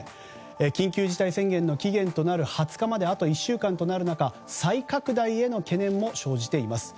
緊急事態宣言の期限となる２０日まであと１週間となる中再拡大への懸念も生じています。